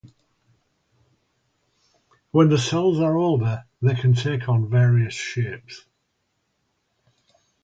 When the cells are older, they can take on various shapes.